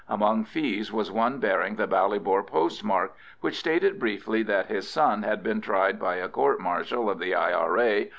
Among Fee's was one bearing the Ballybor postmark, which stated briefly that his son had been tried by a court martial of the I.R.A.